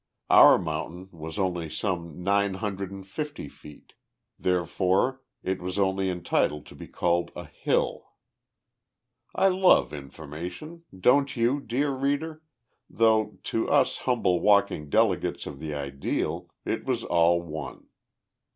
Our mountain was only some nine hundred and fifty feet. Therefore, it was only entitled to be called a hill. I love information don't you, dear reader? though, to us humble walking delegates of the ideal, it was all one.